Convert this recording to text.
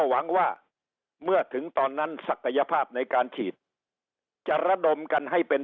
หวังว่าเมื่อถึงตอนนั้นศักยภาพในการฉีดจะระดมกันให้เป็น